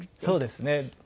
そうですね。